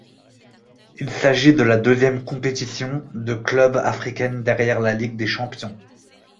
Il s'agit de la deuxième compétition de club africaine derrière la Ligue des champions.